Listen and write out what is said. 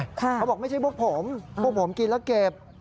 เขาบอกไม่ใช่พวกผมพวกผมกินแล้วเก็บ